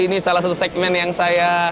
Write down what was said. ini salah satu segmen yang saya